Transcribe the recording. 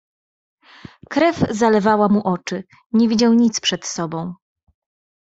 "Krew zalewała mu oczy, nie widział nic przed sobą."